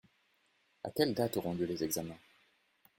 À quelle date auront lieu les examens ?